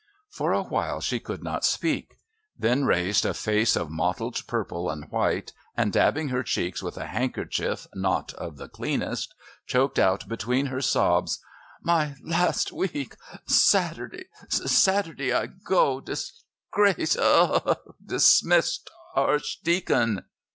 For a while she could not speak; then raised a face of mottled purple and white, and, dabbing her cheeks with a handkerchief not of the cleanest, choked out between her sobs: "My last week Saturday Saturday I go disgrace ugh, ugh dismissed Archdeacon."